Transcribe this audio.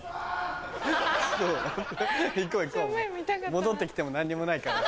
戻って来ても何にもないから。